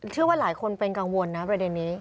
เชื่อว่าหลายคนเป็นกังวลนะประเด็นนี้